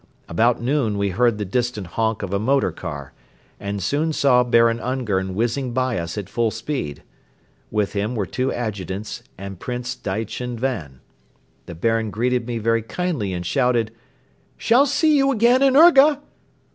About noon we heard the distant honk of a motor car and soon saw Baron Ungern whizzing by us at full speed. With him were two adjutants and Prince Daichin Van. The Baron greeted me very kindly and shouted: "Shall see you again in Urga!"